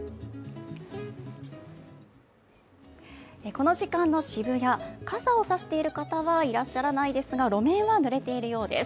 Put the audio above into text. この時間の渋谷、傘を差している方はいらっしゃらないですが路面はぬれているようです。